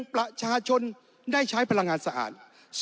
ประชาชนได้ใช้พลังงานสะอาด